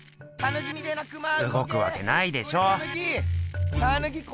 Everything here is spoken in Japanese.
うごくわけないでしょ。